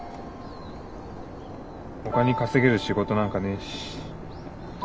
ほかに稼げる仕事なんかねえし。